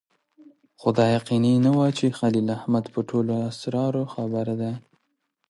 خو دا یقیني نه وه چې خلیل احمد په ټولو اسرارو خبر دی.